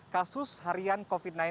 kasus harian covid sembilan belas